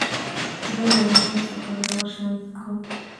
زه له علماوو څخه ګټور شیان زده کوم.